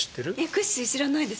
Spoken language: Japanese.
クッシー知らないです。